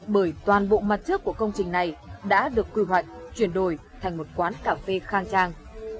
bởi toàn bộ mặt trước của công trình này đã được quy hoạch chuyển đổi thành một quán cà phê khang trang